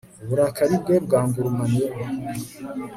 uburakari bwe bwangurumaniyeho